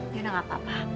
ya udah gak apa apa